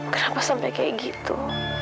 kenapa sampai seperti itu